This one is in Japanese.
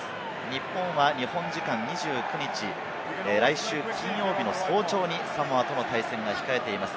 日本は日本時間、２９日、来週金曜日の早朝にサモアとの対戦が控えています。